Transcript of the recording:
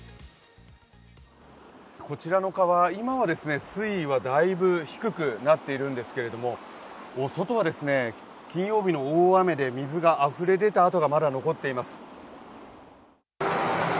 こちらの川、今は水位はだいぶ低くなっているんですけれども外は金曜日の大雨で水があふれでた跡がまだ残っています。